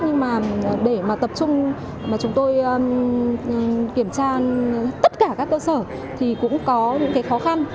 nhưng mà để mà tập trung mà chúng tôi kiểm tra tất cả các cơ sở thì cũng có những cái khó khăn